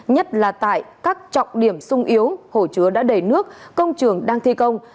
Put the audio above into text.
nhất là tại các trọng điểm sung yếu hồ chứa đã đầy nước công trường đang thi công